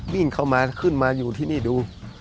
วิ่งเข้ามาขึ้นมาอยู่ที่นี่ดู